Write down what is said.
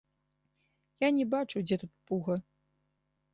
Я не бачу, дзе тут пуга.